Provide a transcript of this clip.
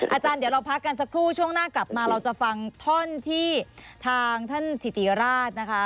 อาจารย์เดี๋ยวเราพักกันสักครู่ช่วงหน้ากลับมาเราจะฟังท่อนที่ทางท่านถิติราชนะคะ